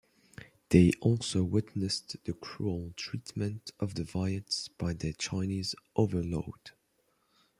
They also witnessed the cruel treatment of the Viets by their Chinese overlords.